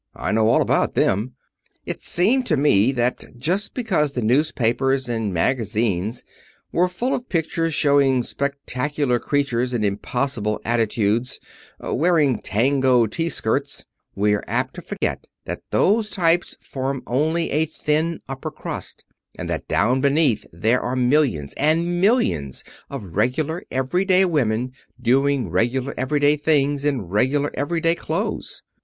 I know all about them. It seemed to me that just because the newspapers and magazines were full of pictures showing spectacular creatures in impossible attitudes wearing tango tea skirts, we are apt to forget that those types form only a thin upper crust, and that down beneath there are millions and millions of regular, everyday women doing regular everyday things in regular everyday clothes.